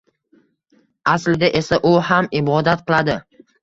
Aslida esa u ham ibodat qiladi?